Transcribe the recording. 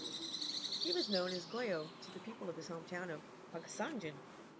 He was known as "Goyo" to the people of his home town of Pagsanjan.